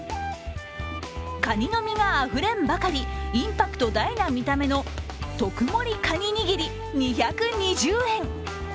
かにの身があふれんばかり、インパクト大な見た目の特盛かににぎり、２２０円。